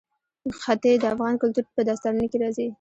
ښتې د افغان کلتور په داستانونو کې راځي.